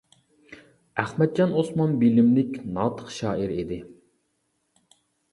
ئەخمەتجان ئوسمان بىلىملىك، ناتىق شائىر ئىدى.